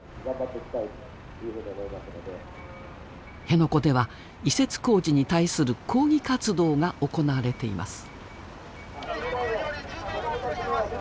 辺野古では移設工事に対する抗議活動が行われています。